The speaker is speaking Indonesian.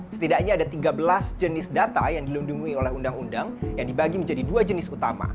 setidaknya ada tiga belas jenis data yang dilindungi oleh undang undang yang dibagi menjadi dua jenis utama